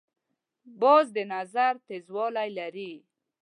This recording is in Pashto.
باز د نظر تیزوالی لري